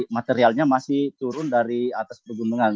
materialnya masih turun dari atas pegunungan